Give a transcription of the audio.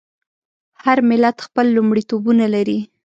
هر ملت خپل لومړیتوبونه لري.